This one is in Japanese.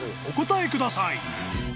お答えください］